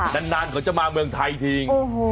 นานเขาจะมาเมืองไทยทิ้ง